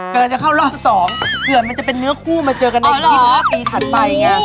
กำลังจะเข้ารอบ๒เผื่อมันจะเป็นเนื้อคู่มาเจอกันในอีก๒๕ปีถัดไปไง